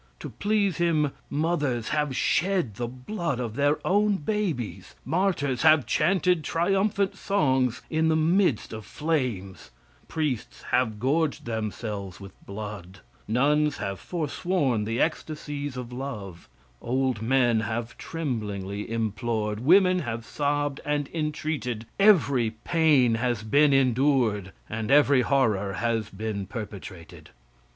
To please him, mothers have shed the blood of their own babies; martyrs have chanted triumphant songs in the midst of flames; priests have gorged themselves with blood; nuns have forsworn the ecstasies of love; old men have tremblingly implored; women have sobbed and entreated; every pain has been endured, and every horror has been perpetrated.